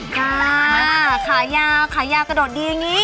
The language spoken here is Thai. ค่ะขายาวขายาวกระโดดดีอย่างนี้